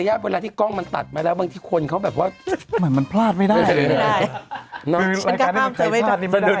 ช่วงหน้าตุ๋นกับพิจิกค่ะ